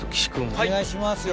お願いしますよ。